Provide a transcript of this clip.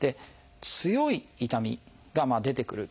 強い痛みが出てくる。